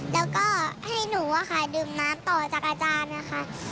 แล้วก็ให้หนูดื่มน้ำต่อจากอาจารย์ค่ะ